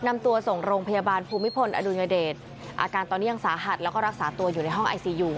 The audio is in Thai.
อาการตอนนี้ยังสาหัสและรักษาตัวอยู่ในห้องไอซียู